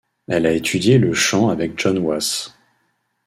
Elle a étudié le chant avec John Wass.